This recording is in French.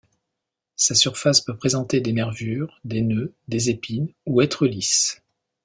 Sa surface peut présenter des nervures, des nœuds, des épines ou être lisse.